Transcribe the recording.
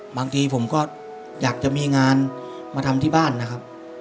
บางทีผมก็อยากจะมีงานมาทำที่บ้านนะครับ